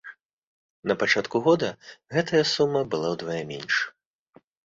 На пачатку году гэтая сума была ўдвая менш.